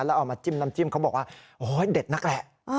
แล้วเอามาจิ้มน้ำจิ้มเขาบอกว่าโอ้ยเด็ดนักแหละ